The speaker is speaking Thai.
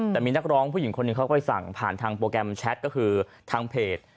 แต่มีนักร้องผู้หญิงคนหนึ่งเขาก็ไปสั่งผ่านทางโปรแกรมแชทก็คือทางเพจ